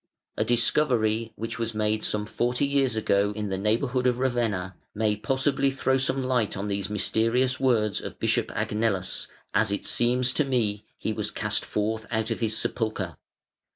] A discovery, which was made some forty years ago in the neighbourhood of Ravenna, may possibly throw some light on these mysterious words of Bishop Agnellus: "As it seems to me, he was cast forth out of his sepulchre".